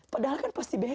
padahal kan pasti beda